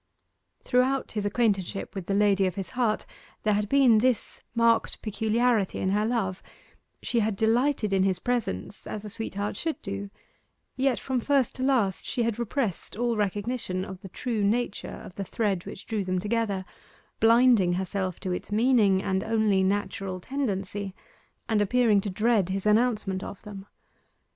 Throughout his acquaintanceship with the lady of his heart there had been this marked peculiarity in her love: she had delighted in his presence as a sweetheart should do, yet from first to last she had repressed all recognition of the true nature of the thread which drew them together, blinding herself to its meaning and only natural tendency, and appearing to dread his announcement of them.